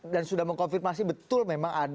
dan sudah mengkonfirmasi betul memang